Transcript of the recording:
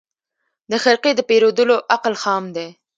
د خرقې د پېرودلو عقل خام دی